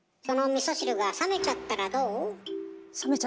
そのみそ汁が冷めちゃったらどう？